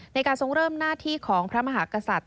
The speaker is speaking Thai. ในการทรงเริ่มหน้าที่ของพระมหากษัตริย